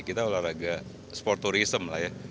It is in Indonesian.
kita olahraga sporturism lah ya